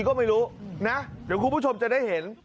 ก็ไม่รู้นะเดี๋ยวคุณผู้ชมจะได้เห็น